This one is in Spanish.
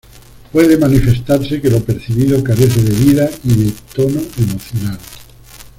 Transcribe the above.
Puede manifestarse que lo percibido carece de "vida" y de tono emocional.